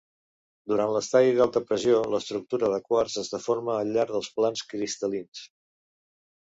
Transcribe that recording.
Durant l'estadi d'alta pressió, l'estructura del quars es deforma al llarg dels plans cristal·lins.